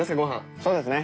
そうですね。